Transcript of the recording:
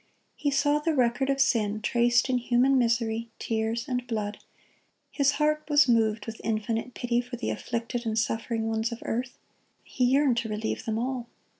He saw the record of sin traced in human misery, tears, and blood; His heart was moved with infinite pity for the afflicted and suffering ones of earth; He yearned to relieve them all.